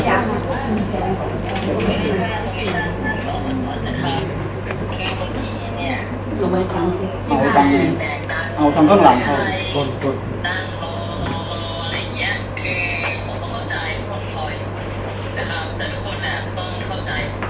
คือผมมีการจ่ายให้สมาชิกไปเรื่อยเมื่อสินค้าเข้ามาเพราะสินค้าเข้ามาพวกผมจะส่งไปทันที